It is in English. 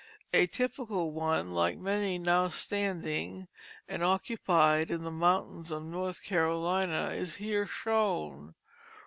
A typical one like many now standing and occupied in the mountains of North Carolina is here shown.